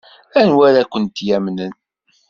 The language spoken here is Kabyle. Anwa ara kent-yamnen?